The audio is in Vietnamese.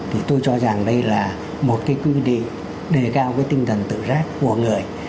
thì tôi cho rằng đây là một cái quy định đề cao cái tinh thần tự giác của người